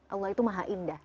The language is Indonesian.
allah itu maha indah